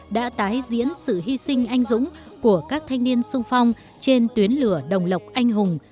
đã tái diễn sự hy sinh anh dũng của các thanh niên sung phong trên tuyến lửa đồng lộc anh hùng